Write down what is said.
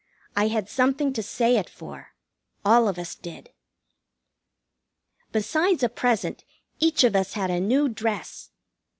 I had something to say it for. All of us did. Besides a present, each of us had a new dress.